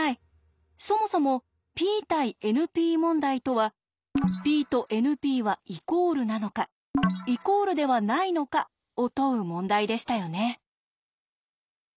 そもそもＰ対ＮＰ問題とはＰとＮＰはイコールなのかイコールではないのかを問う問題でしたよね。